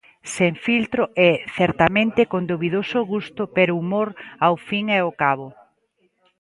Sen filtro e, certamente, con dubidoso gusto, pero humor ao fin e ao cabo.